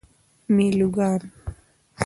میلوگان